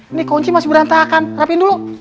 ini kunci masih berantakan rapin dulu